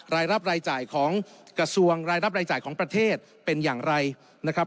รายรับรายจ่ายของกระทรวงรายรับรายจ่ายของประเทศเป็นอย่างไรนะครับ